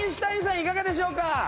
いかがでしょうか？